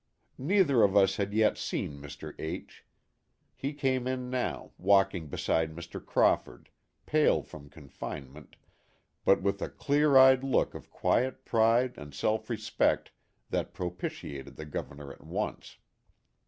Neither of us had yet seen Mr. H . He came in now, walking beside Mr. Crawford, pale from confinement, but with a clear eyed look of quiet pride and self respect that propitiated the Governor at once.